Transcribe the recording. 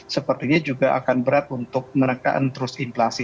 sepertinya juga akan berat untuk menekan terus inflasi